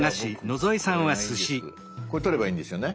これ撮ればいいんですよね？